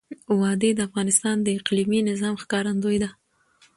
وادي د افغانستان د اقلیمي نظام ښکارندوی ده.